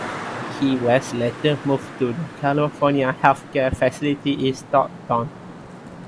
He was later moved to the California Health Care Facility in Stockton.